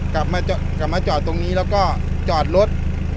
กลับมาจอดตรงนี้แล้วก็จอดรถ